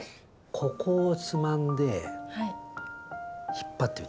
ここをつまんで引っ張ってみてください。